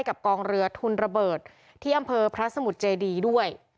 ก็พยายามใกล้กับกองเรือทุนระเบิดที่อำเภอพระสมุทรใจดีด้วย